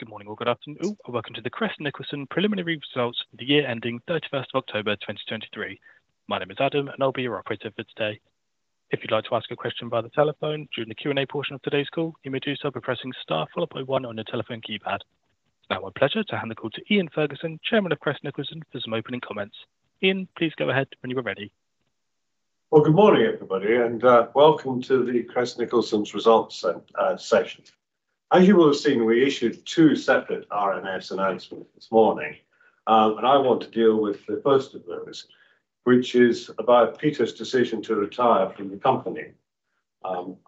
Good morning or good afternoon, and welcome to the Crest Nicholson preliminary results for the year ending 31st of October, 2023. My name is Adam, and I'll be your operator for today. If you'd like to ask a question via the telephone during the Q&A portion of today's call, you may do so by pressing Star followed by One on your telephone keypad. It's now my pleasure to hand the call to Iain Ferguson, chairman of Crest Nicholson, for some opening comments. Iain, please go ahead when you are ready. Well, good morning, everybody, and welcome to the Crest Nicholson’s results session. As you will have seen, we issued two separate RNS announcements this morning. And I want to deal with the first of those, which is about Peter’s decision to retire from the company.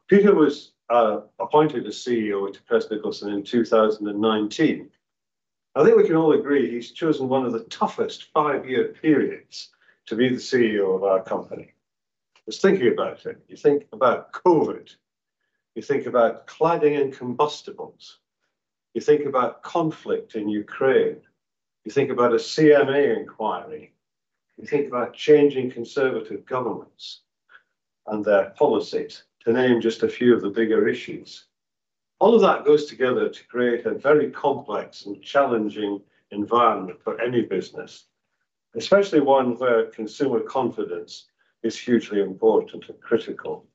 Peter was appointed as CEO to Crest Nicholson in 2019. I think we can all agree he’s chosen one of the toughest five-year periods to be the CEO of our company. Just thinking about it, you think about COVID, you think about cladding and combustibles, you think about conflict in Ukraine, you think about a CMA inquiry, you think about changing Conservative governments and their policies, to name just a few of the bigger issues. All of that goes together to create a very complex and challenging environment for any business, especially one where consumer confidence is hugely important and critical.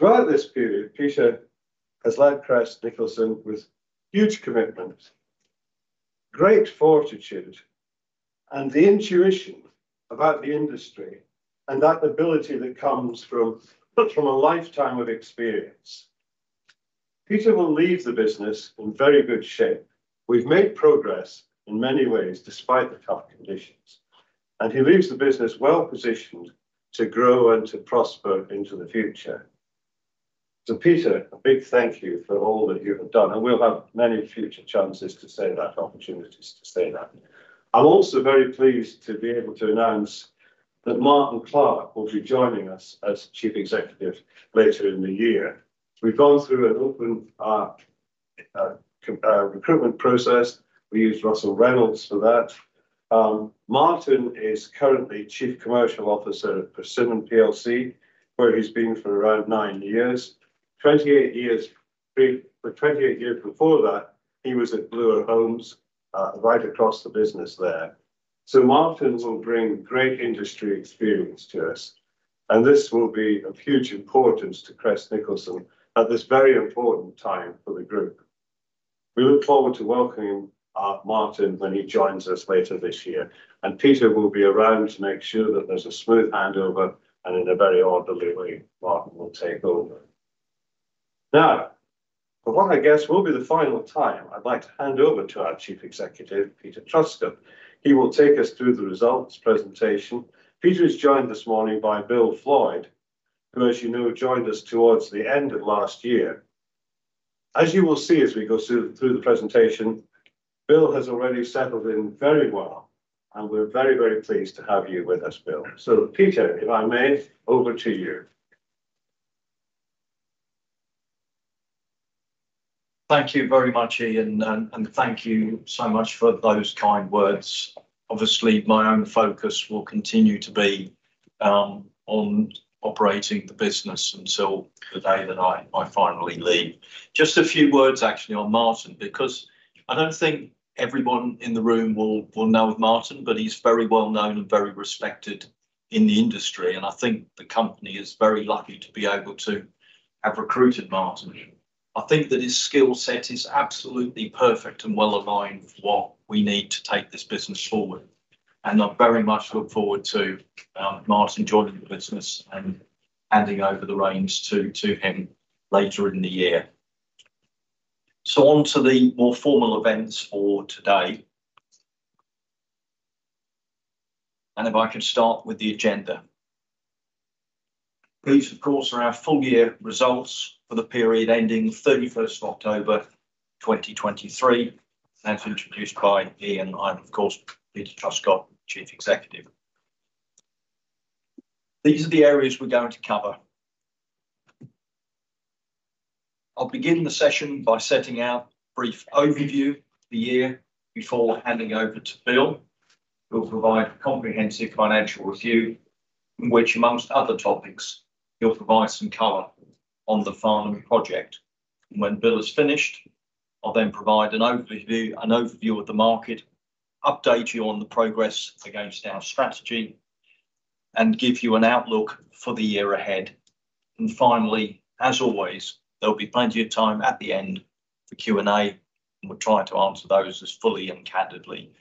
Throughout this period, Peter has led Crest Nicholson with huge commitment, great fortitude, and the intuition about the industry and that ability that comes from, well, from a lifetime of experience. Peter will leave the business in very good shape. We've made progress in many ways, despite the tough conditions, and he leaves the business well positioned to grow and to prosper into the future. So, Peter, a big thank you for all that you have done, and we'll have many future chances to say that, opportunities to say that. I'm also very pleased to be able to announce that Martyn Clark will be joining us as Chief Executive later in the year. We've gone through an open recruitment process. We used Russell Reynolds for that. Martyn is currently Chief Commercial Officer at Persimmon PLC, where he's been for around 9 years. 28 years, the 28 years before that, he was at Bloor Homes, right across the business there. So Martyn will bring great industry experience to us, and this will be of huge importance to Crest Nicholson at this very important time for the group. We look forward to welcoming Martyn when he joins us later this year, and Peter will be around to make sure that there's a smooth handover, and in a very orderly way, Martyn will take over. Now, for what I guess will be the final time, I'd like to hand over to our Chief Executive, Peter Truscott. He will take us through the results presentation. Peter is joined this morning by Bill Floydd, who, as you know, joined us towards the end of last year. As you will see, as we go through, through the presentation, Bill has already settled in very well, and we're very, very pleased to have you with us, Bill. So, Peter, if I may, over to you. Thank you very much, Iain, and thank you so much for those kind words. Obviously, my own focus will continue to be on operating the business until the day that I finally leave. Just a few words, actually, on Martyn, because I don't think everyone in the room will know Martyn, but he's very well known and very respected in the industry, and I think the company is very lucky to be able to have recruited Martyn. I think that his skill set is absolutely perfect and well aligned with what we need to take this business forward, and I very much look forward to Martyn joining the business and handing over the reins to him later in the year. So on to the more formal events for today. If I could start with the agenda. These, of course, are our full year results for the period ending thirty-first of October, 2023. As introduced by Iain, I'm, of course, Peter Truscott, Chief Executive. These are the areas we're going to cover. I'll begin the session by setting out a brief overview of the year before handing over to Bill, who'll provide a comprehensive financial review, in which, among other topics, he'll provide some color on the Farnham project. When Bill is finished, I'll then provide an overview, an overview of the market, update you on the progress against our strategy, and give you an outlook for the year ahead. And finally, as always, there'll be plenty of time at the end for Q&A, and we'll try to answer those as fully and candidly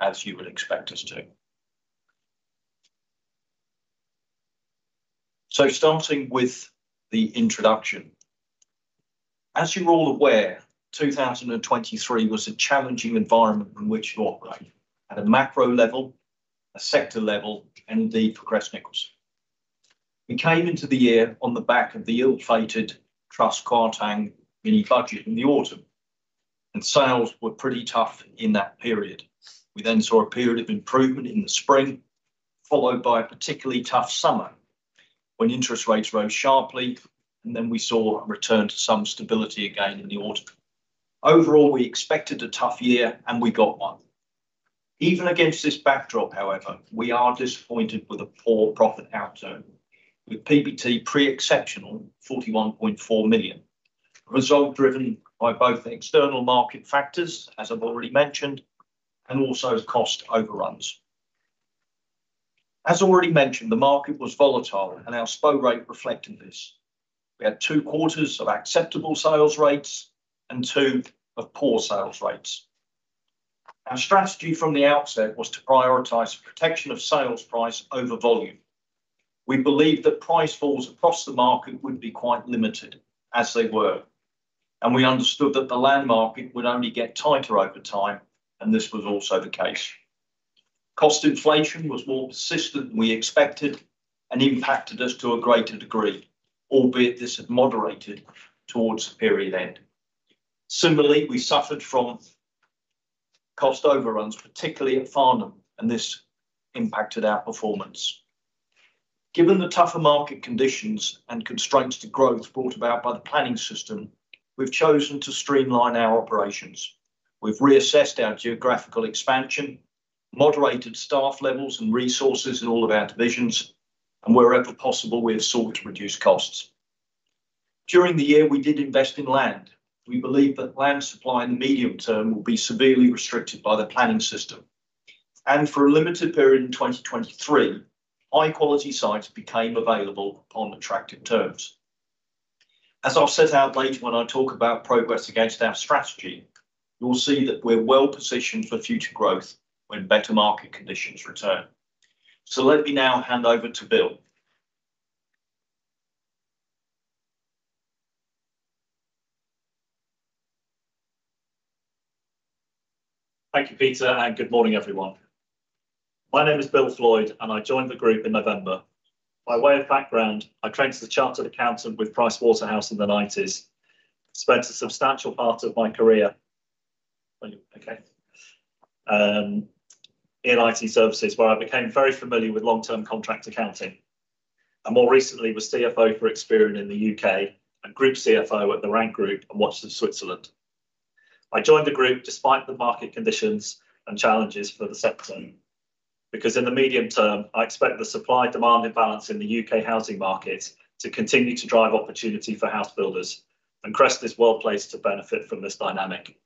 as you would expect us to. Starting with the introduction. As you're all aware, 2023 was a challenging environment in which to operate at a macro level, a sector level, and indeed, for Crest Nicholson. We came into the year on the back of the ill-fated Truss-Kwarteng mini budget in the autumn, and sales were pretty tough in that period. We then saw a period of improvement in the spring, followed by a particularly tough summer when interest rates rose sharply, and then we saw a return to some stability again in the autumn. Overall, we expected a tough year, and we got one. Even against this backdrop, however, we are disappointed with a poor profit outcome, with PBT pre-exceptional 41.4 million. A result driven by both the external market factors, as I've already mentioned, and also cost overruns. As already mentioned, the market was volatile, and our SPO rate reflected this. We had two quarters of acceptable sales rates and two of poor sales rates. Our strategy from the outset was to prioritize protection of sales price over volume. We believed that price falls across the market would be quite limited, as they were, and we understood that the land market would only get tighter over time, and this was also the case. Cost inflation was more persistent than we expected and impacted us to a greater degree, albeit this had moderated towards the period end. Similarly, we suffered from cost overruns, particularly at Farnham, and this impacted our performance. Given the tougher market conditions and constraints to growth brought about by the planning system, we've chosen to streamline our operations. We've reassessed our geographical expansion, moderated staff levels and resources in all of our divisions, and wherever possible, we have sought to reduce costs. During the year, we did invest in land. We believe that land supply in the medium term will be severely restricted by the planning system, and for a limited period in 2023, high quality sites became available on attractive terms. As I'll set out later when I talk about progress against our strategy, you will see that we're well positioned for future growth when better market conditions return. Let me now hand over to Bill. Thank you, Peter, and good morning, everyone. My name is Bill Floydd, and I joined the group in November. By way of background, I trained as a chartered accountant with PricewaterhouseCoopers in the nineties. Spent a substantial part of my career in IT services, where I became very familiar with long-term contract accounting and more recently was CFO for Experian in the UK and Group CFO at the Rank Group and Watches of Switzerland. I joined the group despite the market conditions and challenges for the sector, because in the medium term, I expect the supply-demand imbalance in the UK housing market to continue to drive opportunity for house builders and Crest is well-placed to benefit from this dynamic.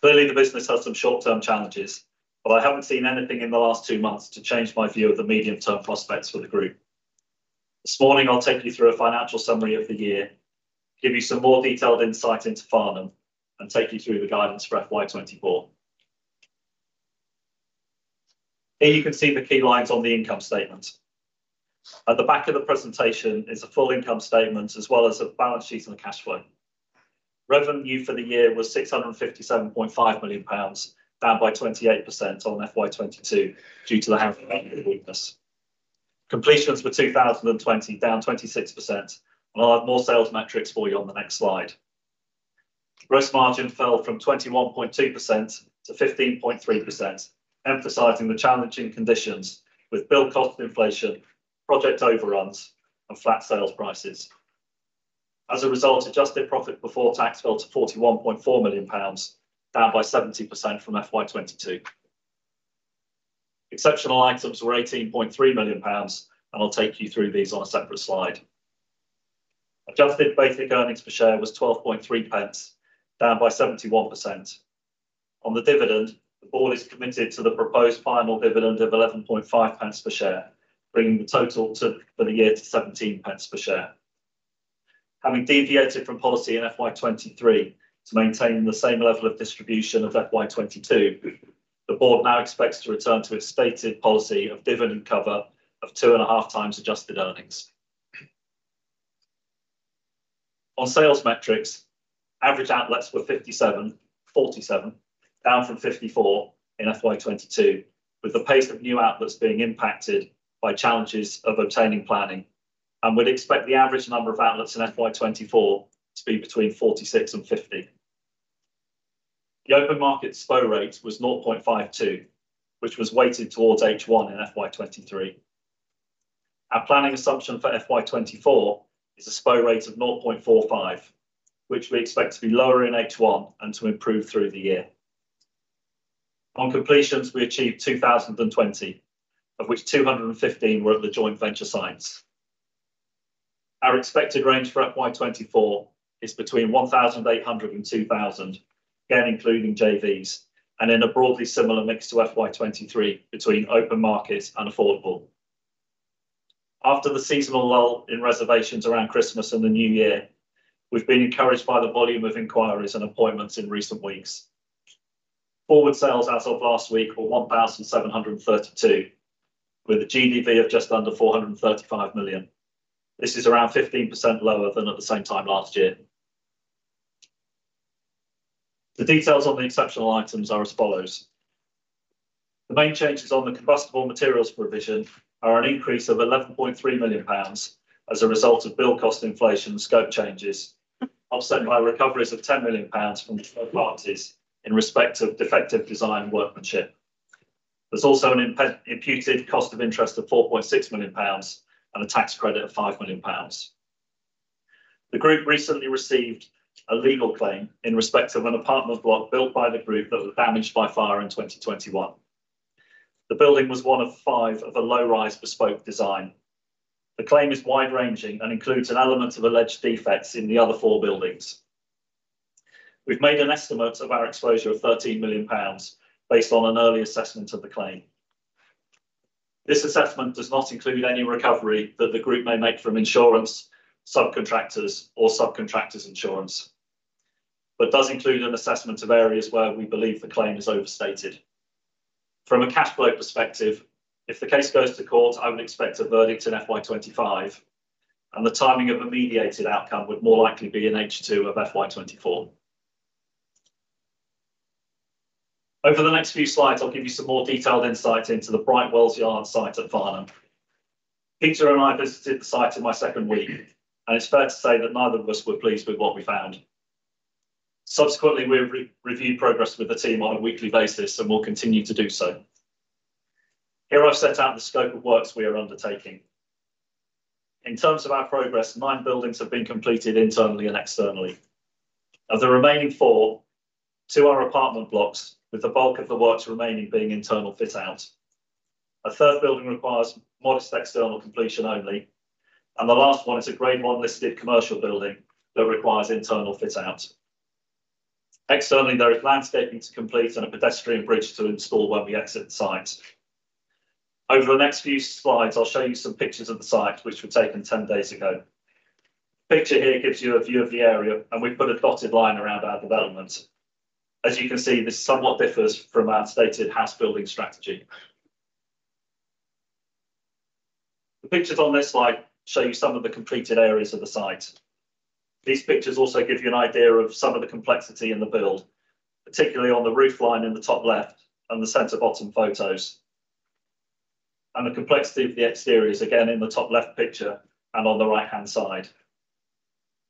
Clearly, the business has some short-term challenges, but I haven't seen anything in the last two months to change my view of the medium-term prospects for the group. This morning, I'll take you through a financial summary of the year, give you some more detailed insight into Farnham, and take you through the guidance for FY 2024. Here you can see the key lines on the income statement. At the back of the presentation is a full income statement, as well as a balance sheet and a cash flow. Revenue for the year was 657.5 million pounds, down by 28% on FY 2022 due to the housing weakness. Completions were 2,020, down 26%. I'll have more sales metrics for you on the next slide. Gross margin fell from 21.2% to 15.3%, emphasizing the challenging conditions with build cost inflation, project overruns, and flat sales prices. As a result, adjusted profit before tax fell to 41.4 million pounds, down by 70% from FY 2022. Exceptional items were 18.3 million pounds, and I'll take you through these on a separate slide. Adjusted basic earnings per share was 0.123, down by 71%. On the dividend, the board is committed to the proposed final dividend of 0.115 per share, bringing the total to, for the year, 0.17 per share. Having deviated from policy in FY 2023 to maintain the same level of distribution of FY 2022, the board now expects to return to its stated policy of dividend cover of 2.5 times adjusted earnings. On sales metrics, average outlets were 57.47, down from 54 in FY 2022, with the pace of new outlets being impacted by challenges of obtaining planning, and we'd expect the average number of outlets in FY 2024 to be between 46 and 50. The open market SPO rate was 0.52, which was weighted towards H1 in FY 2023. Our planning assumption for FY 2024 is an SPO rate of 0.45, which we expect to be lower in H1 and to improve through the year. On completions, we achieved 2,020, of which 215 were at the joint venture sites. Our expected range for FY 2024 is between 1,800 and 2,000, again, including JVs, and in a broadly similar mix to FY 2023 between open market and affordable. After the seasonal lull in reservations around Christmas and the New Year, we've been encouraged by the volume of inquiries and appointments in recent weeks. Forward sales as of last week were 1,732, with a GDV of just under 435 million. This is around 15% lower than at the same time last year. The details on the exceptional items are as follows: The main changes on the combustible materials provision are an increase of 11.3 million pounds as a result of build cost inflation and scope changes, offset by recoveries of 10 million pounds from third parties in respect of defective design workmanship. There's also an imputed cost of interest of 4.6 million pounds and a tax credit of 5 million pounds. The group recently received a legal claim in respect of an apartment block built by the group that was damaged by fire in 2021. The building was one of five of a low-rise bespoke design. The claim is wide-ranging and includes an element of alleged defects in the other four buildings. We've made an estimate of our exposure of 13 million pounds based on an early assessment of the claim. This assessment does not include any recovery that the group may make from insurance, subcontractors, or subcontractors' insurance, but does include an assessment of areas where we believe the claim is overstated. From a cash flow perspective, if the case goes to court, I would expect a verdict in FY 2025, and the timing of a mediated outcome would more likely be in H2 of FY 2024. Over the next few slides, I'll give you some more detailed insight into the Brightwells Yard site at Farnham. Peter and I visited the site in my second week, and it's fair to say that neither of us were pleased with what we found. Subsequently, we've re-reviewed progress with the team on a weekly basis, and will continue to do so. Here I've set out the scope of works we are undertaking. In terms of our progress, 9 buildings have been completed internally and externally. Of the remaining 4, 2 are apartment blocks, with the bulk of the works remaining being internal fit out. A third building requires modest external completion only, and the last one is a Grade I listed commercial building that requires internal fit out. Externally, there is landscaping to complete and a pedestrian bridge to install when we exit the site. Over the next few slides, I'll show you some pictures of the site which were taken 10 days ago. The picture here gives you a view of the area, and we've put a dotted line around our development. As you can see, this somewhat differs from our stated house building strategy. The pictures on this slide show you some of the completed areas of the site. These pictures also give you an idea of some of the complexity in the build, particularly on the roofline in the top left and the center bottom photos, and the complexity of the exteriors, again, in the top left picture and on the right-hand side.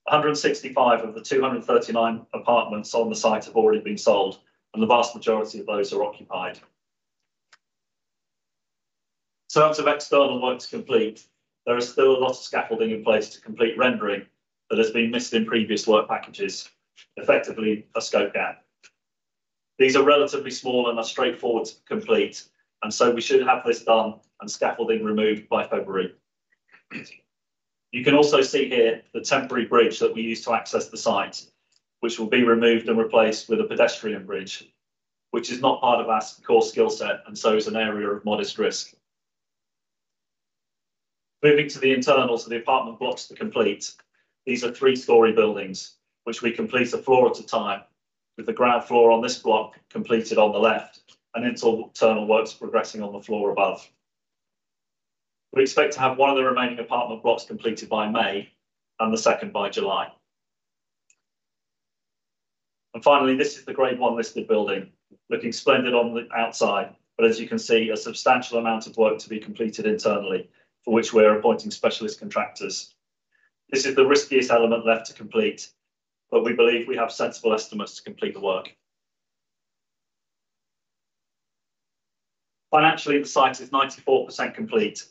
165 of the 239 apartments on the site have already been sold, and the vast majority of those are occupied. In terms of external works complete, there is still a lot of scaffolding in place to complete rendering that has been missed in previous work packages, effectively a scope gap. These are relatively small and are straightforward to complete, and so we should have this done and scaffolding removed by February. You can also see here the temporary bridge that we use to access the site, which will be removed and replaced with a pedestrian bridge, which is not part of our core skill set and so is an area of modest risk. Moving to the internals of the apartment blocks to complete, these are three-story buildings, which we complete a floor at a time, with the ground floor on this block completed on the left and internal works progressing on the floor above. We expect to have one of the remaining apartment blocks completed by May and the second by July. And finally, this is the Grade I listed building, looking splendid on the outside, but as you can see, a substantial amount of work to be completed internally, for which we are appointing specialist contractors. This is the riskiest element left to complete, but we believe we have sensible estimates to complete the work. Financially, the site is 94% complete,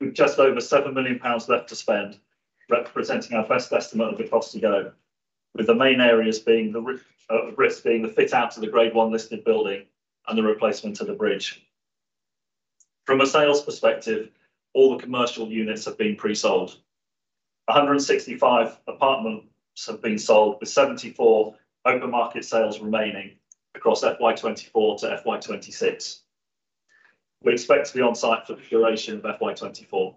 with just over 7 million pounds left to spend, representing our best estimate of the cost to go, with the main areas being the roof, risk being the fit out to the Grade I listed building and the replacement of the bridge. From a sales perspective, all the commercial units have been pre-sold. 165 apartments have been sold, with 74 open market sales remaining across FY 2024 to FY 2026. We expect to be on site for the duration of FY 2024.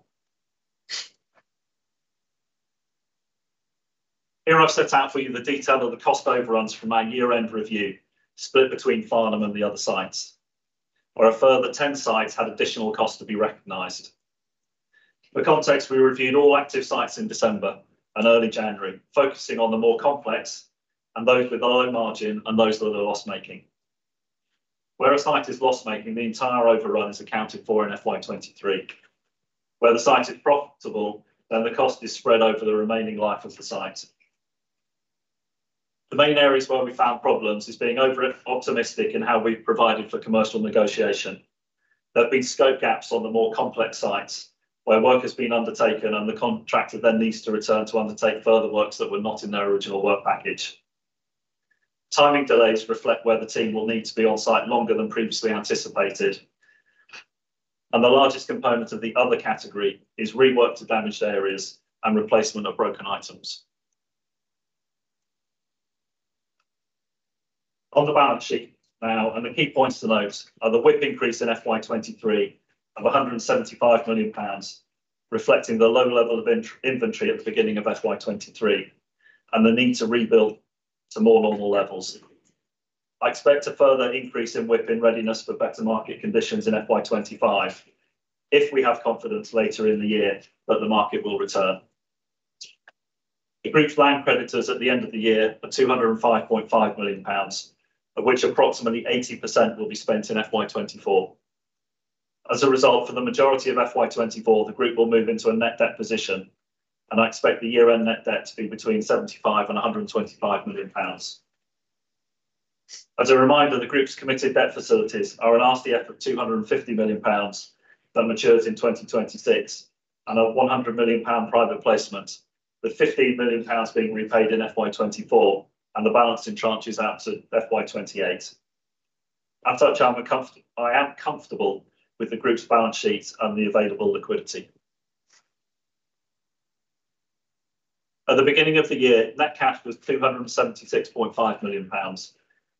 Here I've set out for you the detail of the cost overruns from our year-end review, split between Farnham and the other sites, where a further 10 sites had additional costs to be recognized. For context, we reviewed all active sites in December and early January, focusing on the more complex and those with a low margin and those that are loss-making. Where a site is loss-making, the entire overrun is accounted for in FY 2023. Where the site is profitable, then the cost is spread over the remaining life of the site. The main areas where we found problems is being over optimistic in how we've provided for commercial negotiation. There have been scope gaps on the more complex sites, where work has been undertaken and the contractor then needs to return to undertake further works that were not in their original work package. Timing delays reflect where the team will need to be on site longer than previously anticipated. The largest component of the other category is rework to damaged areas and replacement of broken items. On the balance sheet now, the key points to note are the WIP increase in FY 2023 of 175 million pounds, reflecting the low level of in-inventory at the beginning of FY 2023 and the need to rebuild to more normal levels. I expect a further increase in WIP and readiness for better market conditions in FY 2025, if we have confidence later in the year that the market will return. The group's land creditors at the end of the year are 205.5 million pounds, of which approximately 80% will be spent in FY 2024. As a result, for the majority of FY 2024, the group will move into a net debt position, and I expect the year-end net debt to be between 75 million and 125 million pounds. As a reminder, the group's committed debt facilities are an RCF of 250 million pounds that matures in 2026, and a 100 million pound private placement, with 15 million pounds being repaid in FY 2024, and the balance in tranches out to FY 2028. As such, I am comfortable with the group's balance sheets and the available liquidity. At the beginning of the year, net cash was 276.5 million pounds,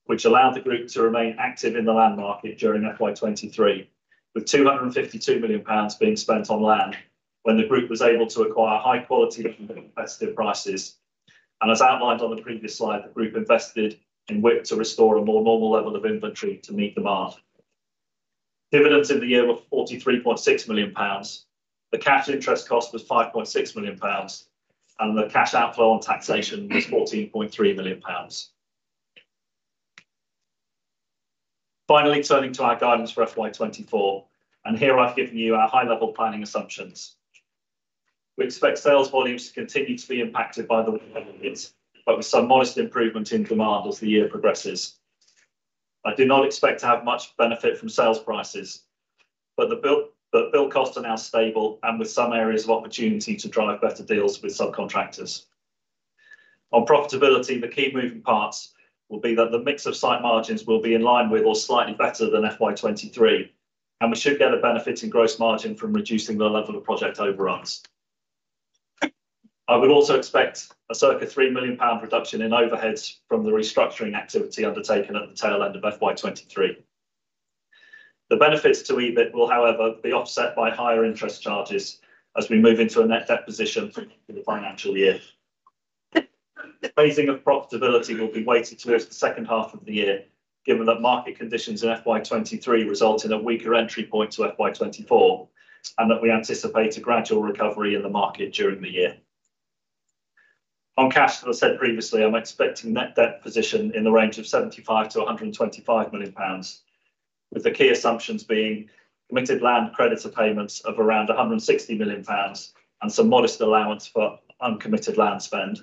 which allowed the group to remain active in the land market during FY 2023, with 252 million pounds being spent on land when the group was able to acquire high quality at competitive prices. As outlined on the previous slide, the group invested in WIP to restore a more normal level of inventory to meet demand. Dividends in the year were 43.6 million pounds. The cash interest cost was 5.6 million pounds, and the cash outflow on taxation was 14.3 million pounds. Finally, turning to our guidance for FY 2024, and here I've given you our high level planning assumptions. We expect sales volumes to continue to be impacted by the, but with some modest improvement in demand as the year progresses. I do not expect to have much benefit from sales prices, but build costs are now stable and with some areas of opportunity to drive better deals with subcontractors. On profitability, the key moving parts will be that the mix of site margins will be in line with or slightly better than FY 2023, and we should get a benefit in gross margin from reducing the level of project overruns. I would also expect a circa 3 million pound reduction in overheads from the restructuring activity undertaken at the tail end of FY 2023. The benefits to EBIT will, however, be offset by higher interest charges as we move into a net debt position in the financial year. The phasing of profitability will be weighted towards the second half of the year, given that market conditions in FY 2023 result in a weaker entry point to FY 2024, and that we anticipate a gradual recovery in the market during the year. On cash, as I said previously, I'm expecting net debt position in the range of 75 million-125 million pounds, with the key assumptions being committed land creditor payments of around 160 million pounds and some modest allowance for uncommitted land spend.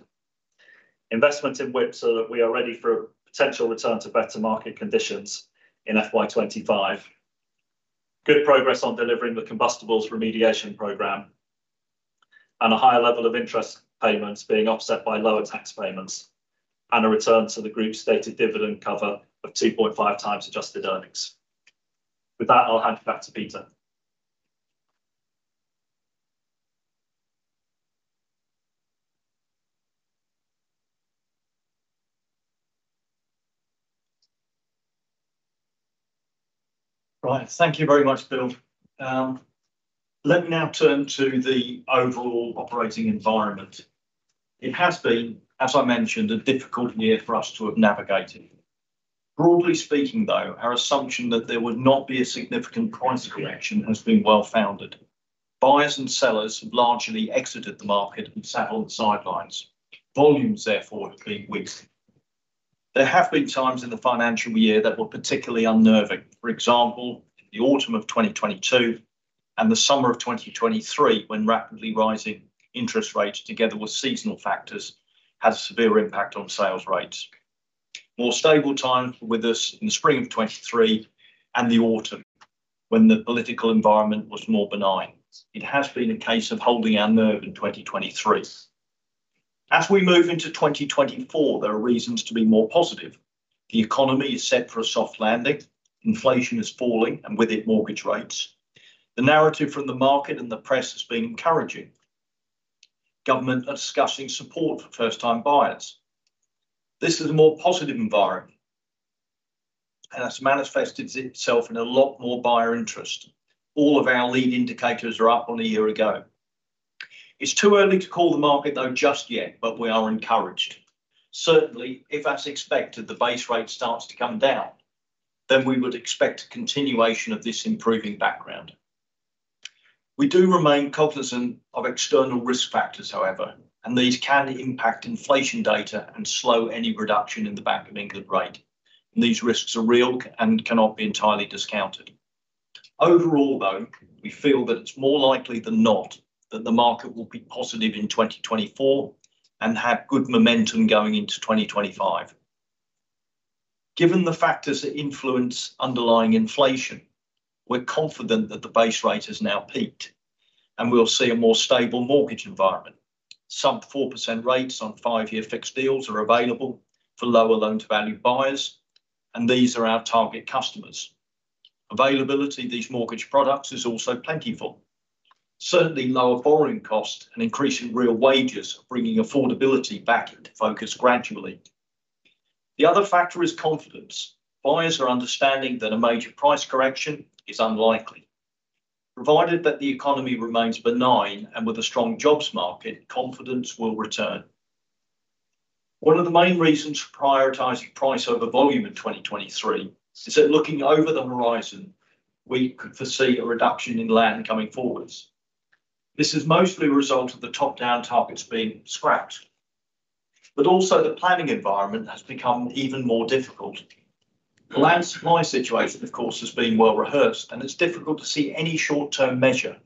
Investment in WIP so that we are ready for a potential return to better market conditions in FY 2025. Good progress on delivering the combustibles remediation program, and a higher level of interest payments being offset by lower tax payments, and a return to the group's stated dividend cover of 2.5 times adjusted earnings. With that, I'll hand you back to Peter. Right. Thank you very much, Bill. Let me now turn to the overall operating environment. It has been, as I mentioned, a difficult year for us to have navigated. Broadly speaking, though, our assumption that there would not be a significant price correction has been well founded. Buyers and sellers have largely exited the market and sat on the sidelines. Volumes, therefore, have been weak. There have been times in the financial year that were particularly unnerving. For example, in the autumn of 2022, and the summer of 2023, when rapidly rising interest rates, together with seasonal factors, had a severe impact on sales rates. More stable times were with us in the spring of 2023 and the autumn, when the political environment was more benign. It has been a case of holding our nerve in 2023. As we move into 2024, there are reasons to be more positive. The economy is set for a soft landing. Inflation is falling, and with it, mortgage rates. The narrative from the market and the press has been encouraging. Government are discussing support for first time buyers. This is a more positive environment, and it's manifested itself in a lot more buyer interest. All of our lead indicators are up on a year ago. It's too early to call the market, though, just yet, but we are encouraged. Certainly, if, as expected, the base rate starts to come down, then we would expect a continuation of this improving background. We do remain cognizant of external risk factors, however, and these can impact inflation data and slow any reduction in the Bank of England rate, and these risks are real and cannot be entirely discounted. Overall, though, we feel that it's more likely than not that the market will be positive in 2024 and have good momentum going into 2025. Given the factors that influence underlying inflation, we're confident that the base rate has now peaked, and we'll see a more stable mortgage environment. Sub-4% rates on five-year fixed deals are available for lower loan-to-value buyers, and these are our target customers. Availability of these mortgage products is also plentiful. Certainly, lower borrowing costs and increasing real wages are bringing affordability back into focus gradually. The other factor is confidence. Buyers are understanding that a major price correction is unlikely. Provided that the economy remains benign and with a strong jobs market, confidence will return. One of the main reasons for prioritizing price over volume in 2023 is that looking over the horizon, we could foresee a reduction in land coming forwards. This is mostly a result of the top-down targets being scrapped, but also the planning environment has become even more difficult. The land supply situation, of course, has been well rehearsed, and it's difficult to see any short-term measure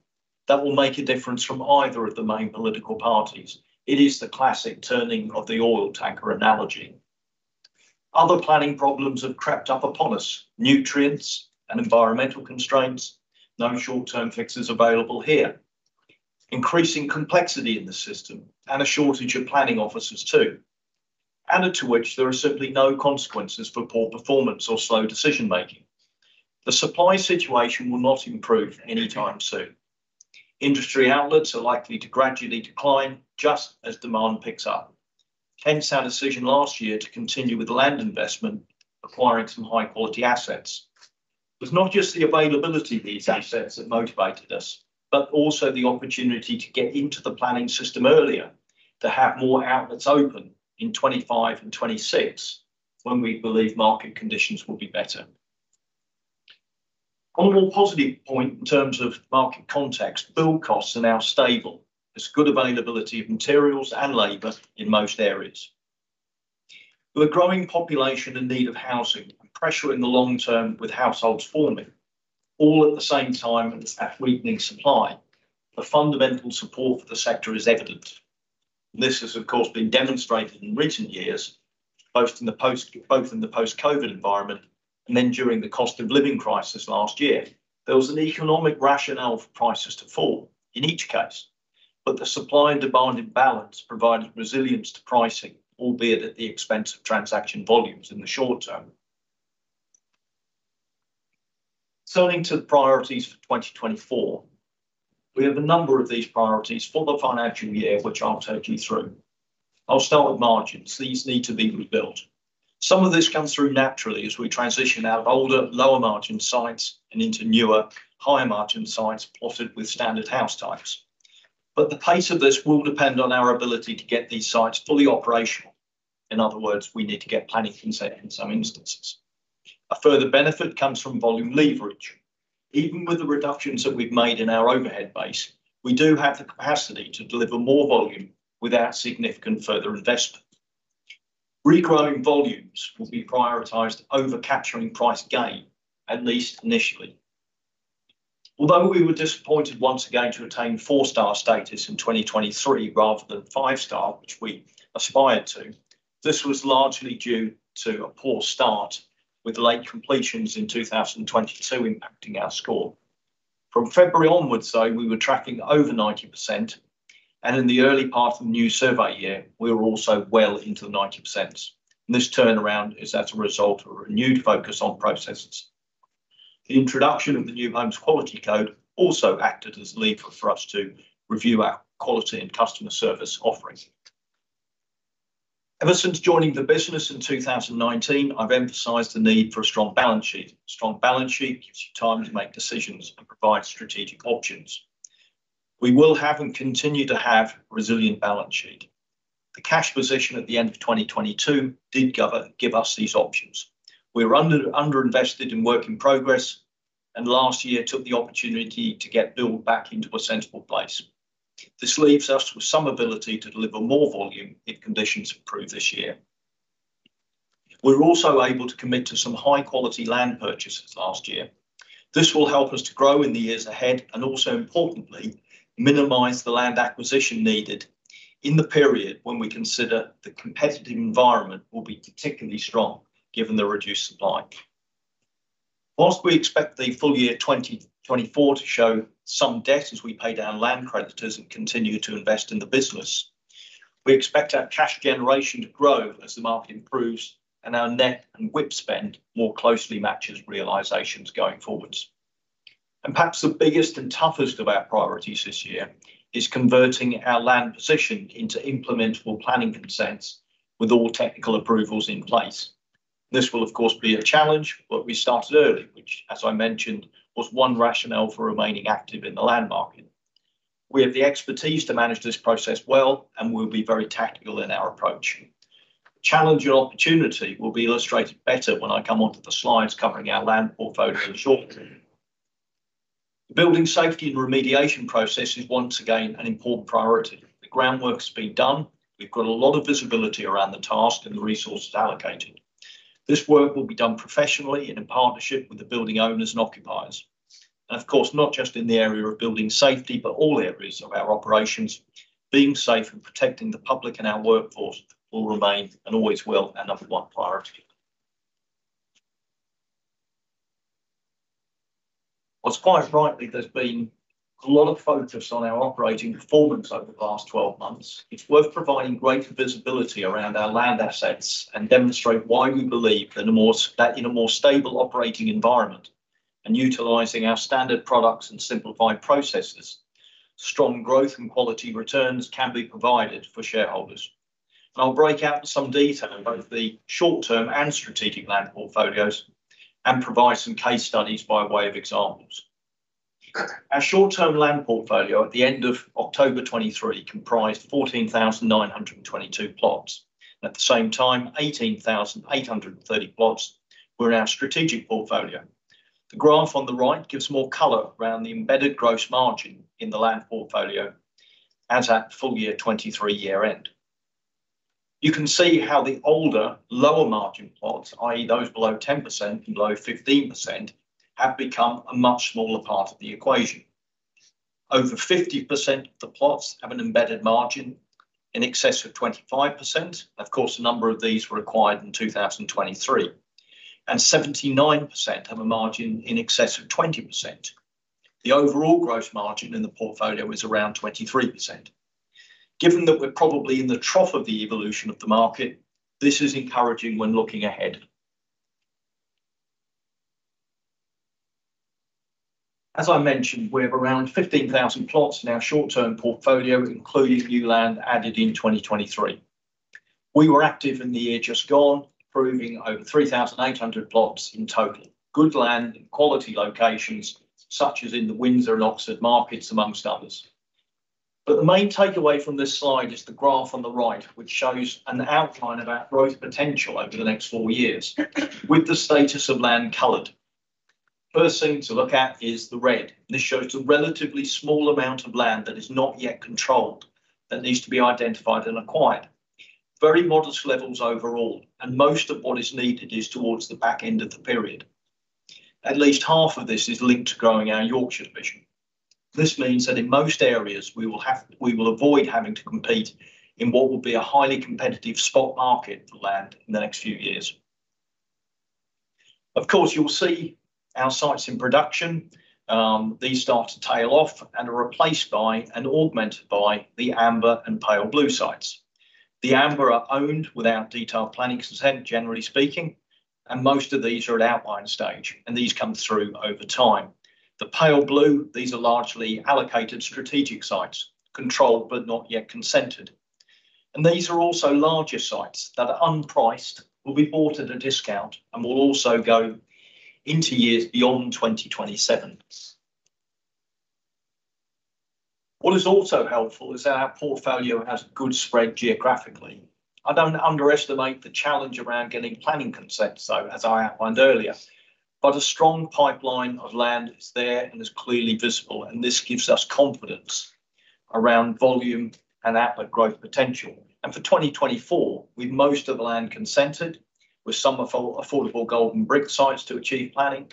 that will make a difference from either of the main political parties. It is the classic turning of the oil tanker analogy. Other planning problems have crept up upon us: nutrients and environmental constraints, no short-term fixes available here. Increasing complexity in the system and a shortage of planning officers, too. Added to which, there are simply no consequences for poor performance or slow decision making. The supply situation will not improve anytime soon. Industry outlets are likely to gradually decline just as demand picks up. Hence, our decision last year to continue with land investment, acquiring some high-quality assets. It was not just the availability of these assets that motivated us, but also the opportunity to get into the planning system earlier, to have more outlets open in 2025 and 2026, when we believe market conditions will be better. On a more positive point, in terms of market context, build costs are now stable. There's good availability of materials and labor in most areas. With a growing population in need of housing and pressure in the long term, with households forming, all at the same time as that weakening supply, the fundamental support for the sector is evident. This has, of course, been demonstrated in recent years, both in the post-COVID environment and then during the cost of living crisis last year. There was an economic rationale for prices to fall in each case, but the supply and demand imbalance provided resilience to pricing, albeit at the expense of transaction volumes in the short term. Turning to the priorities for 2024, we have a number of these priorities for the financial year, which I'll take you through. I'll start with margins. These need to be rebuilt. Some of this comes through naturally as we transition out of older, lower-margin sites and into newer, higher-margin sites plotted with standard house types. But the pace of this will depend on our ability to get these sites fully operational. In other words, we need to get planning consent in some instances. A further benefit comes from volume leverage. Even with the reductions that we've made in our overhead base, we do have the capacity to deliver more volume without significant further investment. Regrowing volumes will be prioritized over capturing price gain, at least initially. Although we were disappointed once again to attain four-star status in 2023 rather than five-star, which we aspired to, this was largely due to a poor start, with late completions in 2022 impacting our score. From February onwards, though, we were tracking over 90%, and in the early part of the new survey year, we were also well into the 90%s, and this turnaround is as a result of a renewed focus on processes. The introduction of the New Homes Quality Code also acted as lever for us to review our quality and customer service offerings. Ever since joining the business in 2019, I've emphasized the need for a strong balance sheet. A strong balance sheet gives you time to make decisions and provide strategic options. We will have, and continue to have, a resilient balance sheet. The cash position at the end of 2022 did give us these options. We were underinvested in work in progress, and last year took the opportunity to get build back into a sensible place. This leaves us with some ability to deliver more volume if conditions improve this year. We were also able to commit to some high-quality land purchases last year. This will help us to grow in the years ahead and also, importantly, minimize the land acquisition needed in the period when we consider the competitive environment will be particularly strong, given the reduced supply. While we expect the full year 2024 to show some debt as we pay down land creditors and continue to invest in the business, we expect our cash generation to grow as the market improves and our net and WIP spend more closely matches realizations going forward. Perhaps the biggest and toughest of our priorities this year is converting our land position into implementable planning consents with all technical approvals in place. This will, of course, be a challenge, but we started early, which, as I mentioned, was one rationale for remaining active in the land market. We have the expertise to manage this process well, and we'll be very tactical in our approach. Challenge and opportunity will be illustrated better when I come on to the slides covering our land portfolio shortly. The building safety and remediation process is once again an important priority. The groundwork's been done. We've got a lot of visibility around the task, and the resources allocated. This work will be done professionally and in partnership with the building owners and occupiers, and of course, not just in the area of building safety, but all areas of our operations. Being safe and protecting the public and our workforce will remain, and always will, our number 1 priority. While quite rightly, there's been a lot of focus on our operating performance over the past 12 months, it's worth providing greater visibility around our land assets and demonstrate why we believe that in a more stable operating environment and utilizing our standard products and simplified processes, strong growth and quality returns can be provided for shareholders. I'll break out some detail in both the short-term and strategic land portfolios and provide some case studies by way of examples. Our short-term land portfolio at the end of October 2023 comprised 14,922 plots. At the same time, 18,830 plots were in our strategic portfolio. The graph on the right gives more color around the embedded gross margin in the land portfolio as at full year 2023 year end.... You can see how the older, lower margin plots, i.e., those below 10% and below 15%, have become a much smaller part of the equation. Over 50% of the plots have an embedded margin in excess of 25%. Of course, a number of these were acquired in 2023, and 79% have a margin in excess of 20%. The overall gross margin in the portfolio is around 23%. Given that we're probably in the trough of the evolution of the market, this is encouraging when looking ahead. As I mentioned, we have around 15,000 plots in our short-term portfolio, including new land added in 2023. We were active in the year just gone, approving over 3,800 plots in total. Good land and quality locations, such as in the Windsor and Oxford markets, among others. But the main takeaway from this slide is the graph on the right, which shows an outline of our growth potential over the next four years, with the status of land colored. First thing to look at is the red. This shows the relatively small amount of land that is not yet controlled, that needs to be identified and acquired. Very modest levels overall, and most of what is needed is towards the back end of the period. At least half of this is linked to growing our Yorkshire division. This means that in most areas, we will avoid having to compete in what will be a highly competitive spot market for land in the next few years. Of course, you'll see our sites in production, these start to tail off and are replaced by and augmented by the amber and pale blue sites. The amber are owned without detailed planning consent, generally speaking, and most of these are at outline stage, and these come through over time. The pale blue, these are largely allocated strategic sites, controlled but not yet consented, and these are also larger sites that are unpriced, will be bought at a discount, and will also go into years beyond 2027. What is also helpful is that our portfolio has good spread geographically. I don't underestimate the challenge around getting planning consent, so as I outlined earlier, but a strong pipeline of land is there and is clearly visible, and this gives us confidence around volume and outlet growth potential. For 2024, with most of the land consented, with some affordable golden brick sites to achieve planning,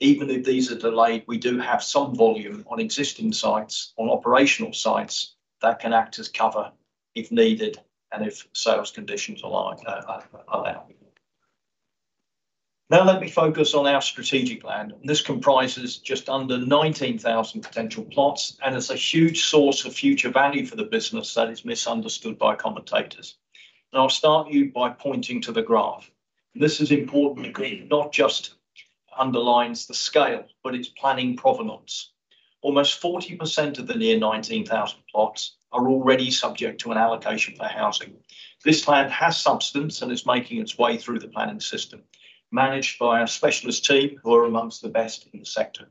even if these are delayed, we do have some volume on existing sites, on operational sites, that can act as cover if needed and if sales conditions allow. Now let me focus on our strategic land. This comprises just under 19,000 potential plots, and it's a huge source of future value for the business that is misunderstood by commentators. I'll start by pointing to the graph. This is important. It not just underlines the scale, but its planning provenance. Almost 40% of the near 19,000 plots are already subject to an allocation for housing. This land has substance and is making its way through the planning system, managed by our specialist team, who are among the best in the sector.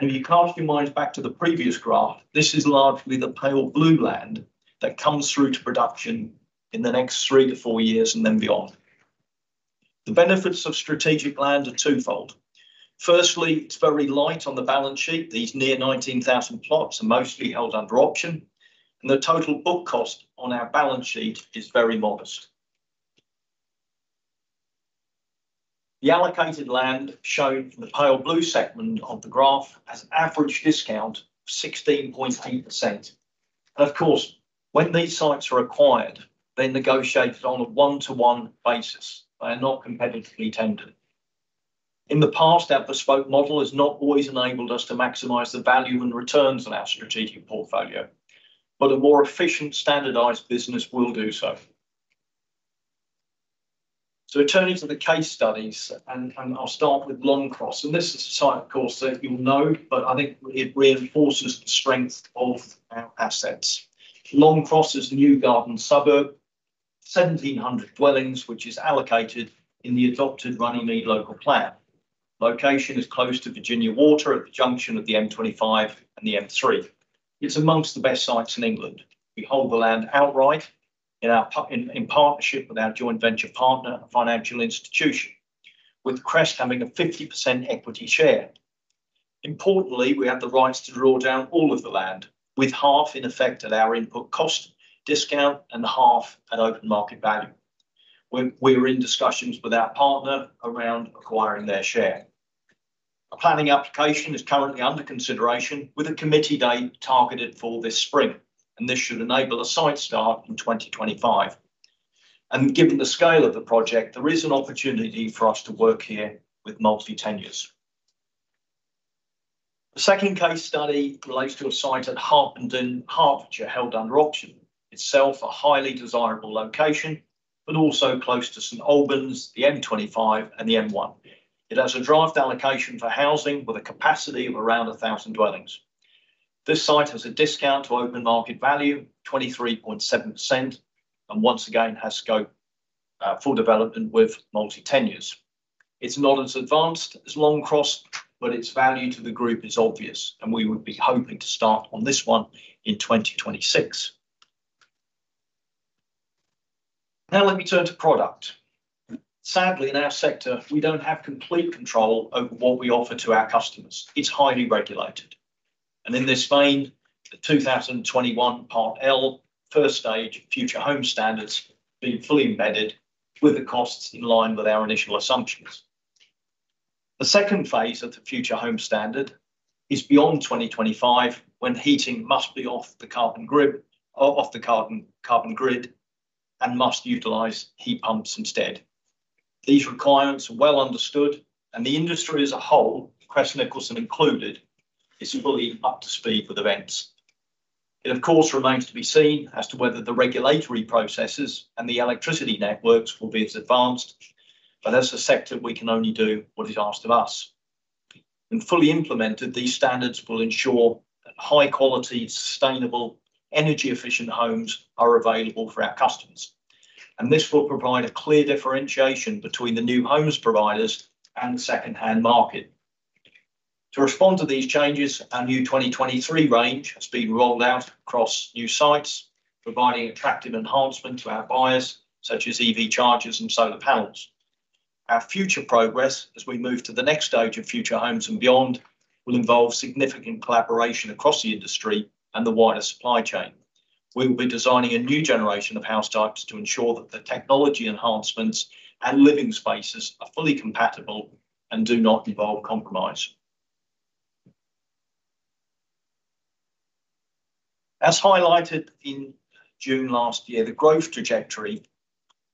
If you cast your minds back to the previous graph, this is largely the pale blue land that comes through to production in the next 3-4 years and then beyond. The benefits of strategic land are twofold. Firstly, it's very light on the balance sheet. These near 19,000 plots are mostly held under option, and the total book cost on our balance sheet is very modest. The allocated land shown from the pale blue segment of the graph has an average discount of 16.8%. Of course, when these sites are acquired, they're negotiated on a one-to-one basis. They are not competitively tendered. In the past, our bespoke model has not always enabled us to maximize the value and returns on our strategic portfolio, but a more efficient, standardized business will do so. So turning to the case studies, and I'll start with Longcross, and this is a site, of course, that you'll know, but I think it reinforces the strength of our assets. Longcross is a new garden suburb, 1,700 dwellings, which is allocated in the adopted Runnymede Local Plan. Location is close to Virginia Water at the junction of the M25 and the M3. It's amongst the best sites in England. We hold the land outright in our partnership with our joint venture partner, a financial institution, with Crest having a 50% equity share. Importantly, we have the rights to draw down all of the land, with half in effect at our input cost, discount, and half at open market value. We, we are in discussions with our partner around acquiring their share. A planning application is currently under consideration, with a committee date targeted for this spring, and this should enable a site start in 2025. And given the scale of the project, there is an opportunity for us to work here with multi-tenures. The second case study relates to a site at Harpenden, Hertfordshire, held under option. Itself a highly desirable location, but also close to St Albans, the M25, and the M1. It has a draft allocation for housing with a capacity of around 1,000 dwellings. This site has a discount to open market value, 23.7%, and once again, has scope, for development with multi-tenures. It's not as advanced as Longcross, but its value to the group is obvious, and we would be hoping to start on this one in 2026. Now let me turn to product. Sadly, in our sector, we don't have complete control over what we offer to our customers. It's highly regulated... and in this vein, the 2021 Part L first stage of Future Homes Standards have been fully embedded with the costs in line with our initial assumptions. The second phase of the Future Homes Standard is beyond 2025, when heating must be off the carbon grid, and must utilize heat pumps instead. These requirements are well understood, and the industry as a whole, Crest Nicholson included, is fully up to speed with events. It, of course, remains to be seen as to whether the regulatory processes and the electricity networks will be as advanced, but as a sector, we can only do what is asked of us. When fully implemented, these standards will ensure that high quality, sustainable, energy efficient homes are available for our customers, and this will provide a clear differentiation between the new homes providers and the second-hand market. To respond to these changes, our new 2023 range has been rolled out across new sites, providing attractive enhancements to our buyers, such as EV chargers and solar panels. Our future progress as we move to the next stage of Future Homes and beyond, will involve significant collaboration across the industry and the wider supply chain. We will be designing a new generation of house types to ensure that the technology enhancements and living spaces are fully compatible and do not involve compromise. As highlighted in June last year, the growth trajectory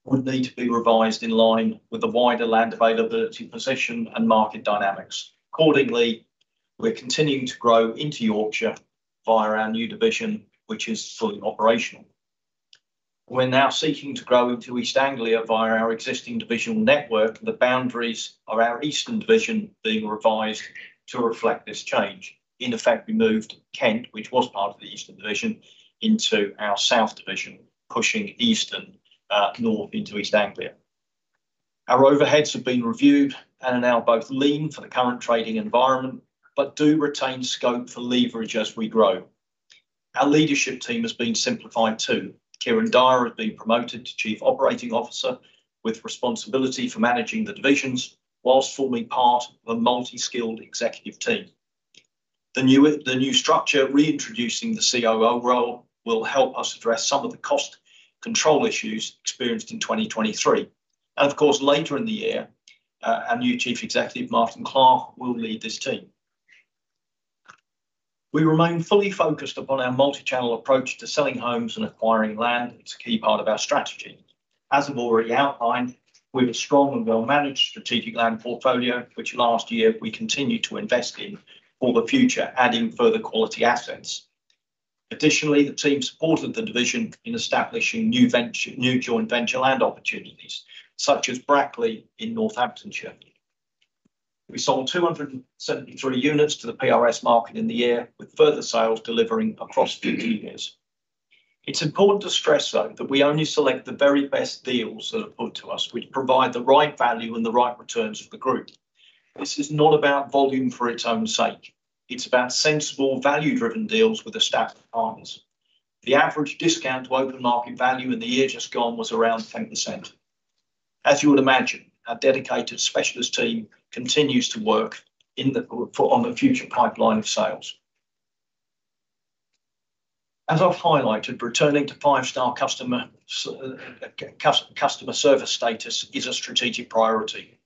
would need to be revised in line with the wider land availability position and market dynamics. Accordingly, we're continuing to grow into Yorkshire via our new division, which is fully operational. We're now seeking to grow into East Anglia via our existing divisional network, the boundaries of our Eastern division being revised to reflect this change. In effect, we moved Kent, which was part of the Eastern division, into our South division, pushing Eastern north into East Anglia. Our overheads have been reviewed and are now both lean for the current trading environment, but do retain scope for leverage as we grow. Our leadership team has been simplified, too. Kieran Dyer has been promoted to Chief Operating Officer, with responsibility for managing the divisions while forming part of a multi-skilled executive team. The new structure, reintroducing the COO role, will help us address some of the cost control issues experienced in 2023. Of course, later in the year, our new Chief Executive, Martyn Clark, will lead this team. We remain fully focused upon our multi-channel approach to selling homes and acquiring land. It's a key part of our strategy. As I've already outlined, we have a strong and well-managed strategic land portfolio, which last year we continued to invest in for the future, adding further quality assets. Additionally, the team supported the division in establishing new joint venture land opportunities, such as Brackley in Northamptonshire. We sold 273 units to the PRS market in the year, with further sales delivering across future years. It's important to stress, though, that we only select the very best deals that are put to us, which provide the right value and the right returns for the group. This is not about volume for its own sake. It's about sensible, value-driven deals with established partners. The average discount to open market value in the year just gone was around 10%. As you would imagine, our dedicated specialist team continues to work on the future pipeline of sales. As I've highlighted, returning to five-star customer service status is a strategic priority.